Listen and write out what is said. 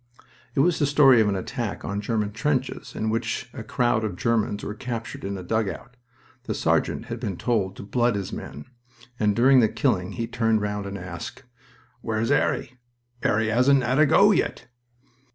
It was the story of an attack on German trenches in which a crowd of Germans were captured in a dugout. The sergeant had been told to blood his men, and during the killing he turned round and asked, "Where's 'Arry?... 'Arry 'asn't 'ad a go yet."